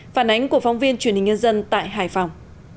phản ánh của phóng viên truyền hình nhân dân tại hải phòng